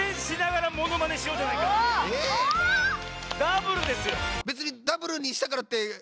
⁉ダブルですよ。